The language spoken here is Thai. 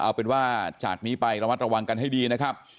เอาเป็นว่าจากนี้ไประมัดระวังกันให้ดีนะครับ